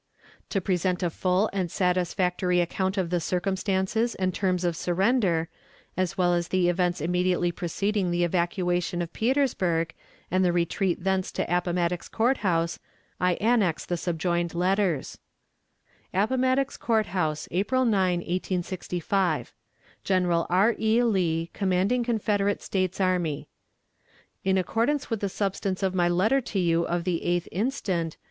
To present a full and satisfactory account of the circumstances and terms of the surrender, as well as the events immediately preceding the evacuation of Petersburg, and the retreat thence to Appomattox Court House, I annex the subjoined letters: "APPOMATTOX COURT HOUSE, April 9, 1865. "General R. E. LEE, commanding Confederate States Army: "In accordance with the substance of my letter to you of the 8th inst.